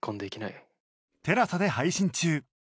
ＴＥＬＡＳＡ で配信中